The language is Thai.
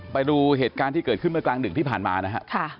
ไปดูเหตุการณ์ที่เกิดขึ้นเมื่อกลางดึกที่ผ่านมานะครับ